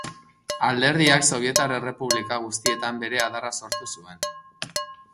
Alderdiak sobietar errepublika guztietan bere adarra sortu zuen.